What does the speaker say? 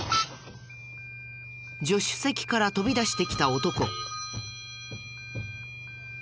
助手席から飛び出してきた男。